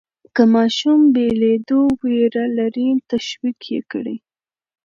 که ماشوم بېلېدو وېره لري، تشویق یې کړئ.